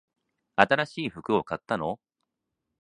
新しい服を買ったの？